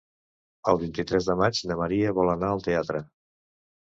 El vint-i-tres de maig na Maria vol anar al teatre.